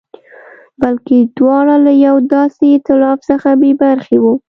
بلکې دواړه له یوه داسې اېتلاف څخه بې برخې وو.